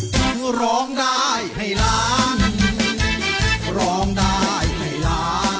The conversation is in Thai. สวัสดีค่ะ